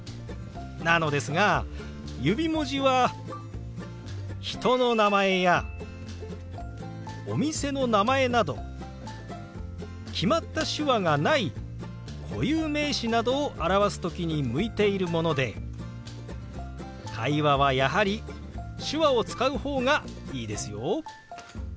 なのですが指文字は人の名前やお店の名前など決まった手話がない固有名詞などを表す時に向いているもので会話はやはり手話を使う方がいいですよ。